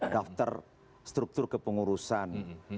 daftar struktur kepengurusan